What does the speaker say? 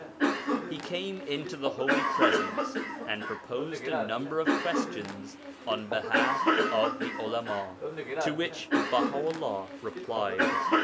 He came into the Holy Presence, and proposed a number of questions on behalf of the Ulama, to which Baha'u'llah replied.